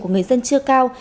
của người dân chưa cao